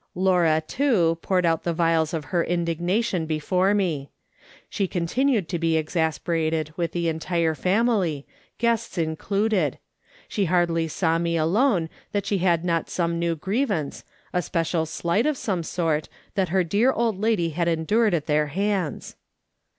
Laura, too, poured out the vials of her indignation before me ; she con tinued to be exasperated with the entire family, guests included ; she hardly saw me alone that slio bad not some new grievance, a special slight of some 102 MRS. SOLOMON SMITH LOOKING ON. sort that her dear okl hidy had endured at their Lands.